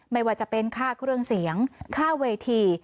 ไม่ว่าจะเป็นค่าเครื่องเสียงค่าเวที